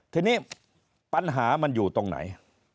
ทีนี้ปัญหามันอยู่ตรงไหน